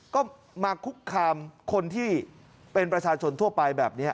ก็มาคุกคามคนที่เป็นประชาชนทั่วไปแบบนี้